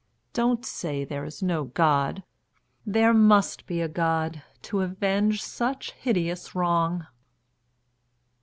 Don't say there is no God. There must be a God to avenge such hideous wrong."